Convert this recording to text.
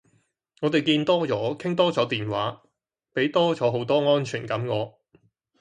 我地見多左，傾多左電話。俾多左好多安全感我。